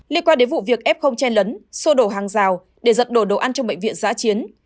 liên quan đến vụ việc ép không che lấn sô đổ hàng rào để giật đổ đồ ăn trong bệnh viện giã chiến